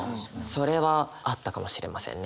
それはあったかもしれませんね。